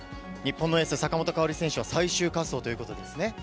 日本のエース、坂本花織選手は最終滑走ということですね。